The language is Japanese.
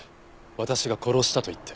「私が殺した」と言って。